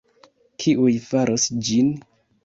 Kiuj faros ĝin?